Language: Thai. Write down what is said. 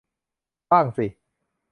บ้างสิ